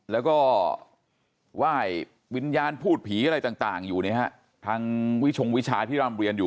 แล้วก็ไหว้วิญญาณพูดผีอะไรต่างอยู่ทางวิชงวิชาที่ร่ำเรียนอยู่